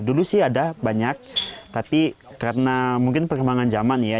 dulu sih ada banyak tapi karena mungkin perkembangan zaman ya